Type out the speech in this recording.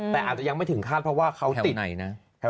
แต่อาจจะยังไม่ถึงคาดเพราะว่าเขาติดนะ